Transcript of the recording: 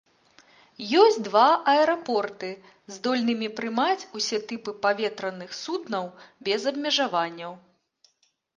Ёсць два аэрапорты, здольнымі прымаць усе тыпы паветраных суднаў без абмежаванняў.